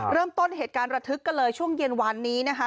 เริ่มต้นเหตุการณ์ระทึกกันเลยช่วงเย็นวานนี้นะคะ